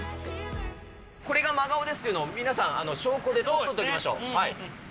これが真顔ですっていうのを、皆さん証拠で撮っときましょう。